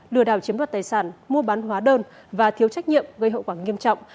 lừa đảo chiếm đoạt tài sản mua bán hóa đơn và thiếu trách nhiệm gây hậu quả nghiêm trọng